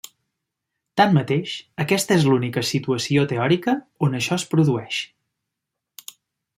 Tanmateix, aquesta és l'única situació teòrica on això es produeix.